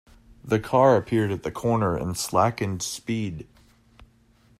The car appeared at the corner and slackened speed.